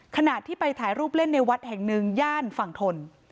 ขณะที่ไปถ่ายรูปเล่นในวัดแห่งหนึ่งย่านฝั่งทน